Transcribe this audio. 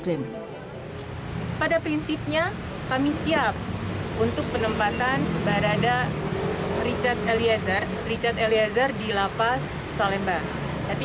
krimpori kami siap untuk penempatan barada richard eliezer richard eliezer di lapa salemba tapi